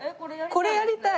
これやりたい。